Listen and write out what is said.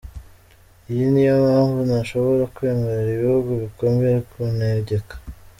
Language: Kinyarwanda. Iyi niyo mpamvu ntashobora kwemerera ibihugu bikomeye kuntegeka.